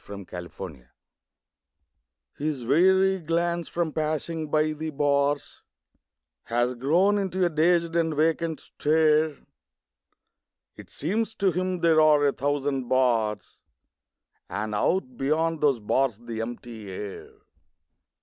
THE PANTHER His weary glance, from passing by the bars, Has grown into a dazed and vacant stare; It seems to him there are a thousand bars And out beyond those bars the empty air.